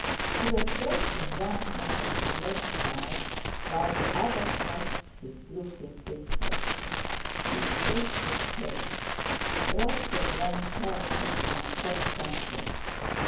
He was pressing one hand to his left side, while the other clutched his drooping pistol. His face was pale. Rostóv ran toward him and said something.